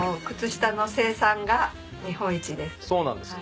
そうなんです。